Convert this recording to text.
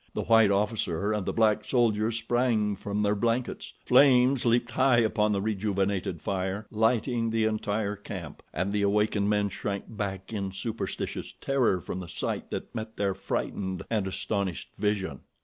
The white officer and the black soldiers sprang from their blankets. The flames leaped high upon the rejuvenated fire, lighting the entire camp, and the awakened men shrank back in superstitious terror from the sight that met their frightened and astonished vision.